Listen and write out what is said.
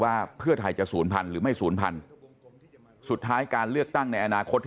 ว่าเพื่อไทยจะศูนย์พันหรือไม่ศูนย์พันสุดท้ายการเลือกตั้งในอนาคต